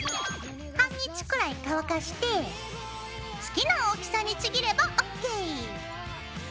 半日くらい乾かして好きな大きさにちぎればＯＫ！